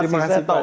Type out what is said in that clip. terima kasih pak